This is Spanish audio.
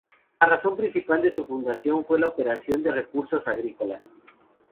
La razón principal de su fundación fue la operación de los recursos agrícolas.